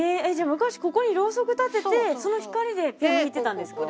昔ここにろうそく立ててその光でピアノ弾いてたんですか？